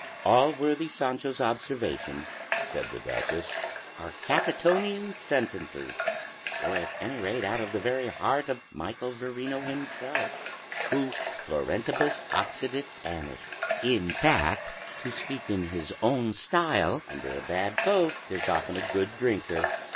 "All worthy Sancho's observations," said the duchess, "are Catonian sentences, or at any rate out of the very heart of Michael Verino himself, who florentibus occidit annis. In fact, to speak in his own style, 'Under a bad cloak there's often a good drinker.'"